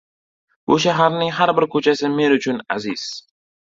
Bu shaharning har bir ko‘chasi men uchun aziz.